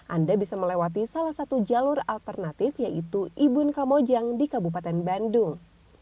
anda bisa melewati salah satu jalur alternatif yaitu ibun kamojang di kabupaten bandung